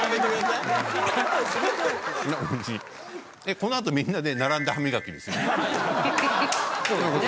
この後みんなで並んで歯磨きですよね。